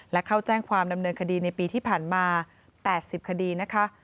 และเข้าแจ้งความดำเนินคดีในปีที่ผ่านมา๘๐คดีนะคะ